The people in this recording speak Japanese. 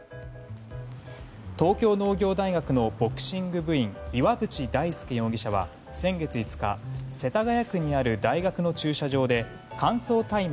東京農業大学のボクシング部員岩渕大輔容疑者は先月５日世田谷区にある大学の駐車場で乾燥大麻